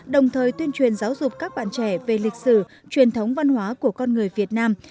đồng thời tuyên truyền giáo dục các bạn trẻ về lịch sử truyền thống văn hóa của con người việt nam